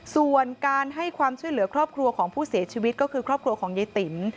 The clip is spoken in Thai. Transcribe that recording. ส่วนการให้ความช่วยเหลือครอบครัวของผู้เสียชีวิตก็คือครอบครัวของยายติ๋ม